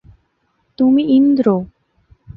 তুমি ইন্দ্র।